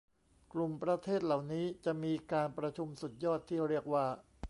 กลุ่มประเทศเหล่านี้จะมีการประชุมสุดยอดที่เรียกว่า